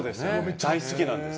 大好きなんです。